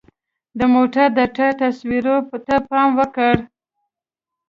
د موټر د ټایر تصویرو ته پام وکړئ.